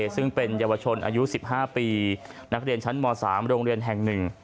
ซึ่งเป็นเยาวชนอายุ๑๕ปีนักเรียนชั้นม๓โรงเรียนแห่งหนึ่ง